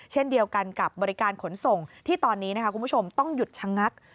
เช่นเดียวกันกับบริการขนส่งที่ตอนนี้คุณผู้ชมต้องหยุดชะงัก